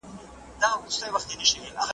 لا یې هم نېکمرغه بولي د کاڼه اولس وګړي .